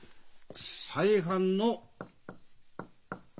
再犯の。